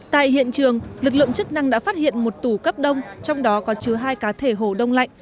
tại hiện trường lực lượng chức năng đã phát hiện một tủ cấp đông trong đó có chứa hai cá thể hổ đông lạnh